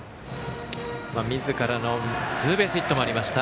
みずからのツーベースヒットもありました。